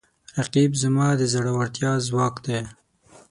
رقیب زما د زړورتیا ځواک دی